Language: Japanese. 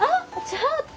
ちょっと！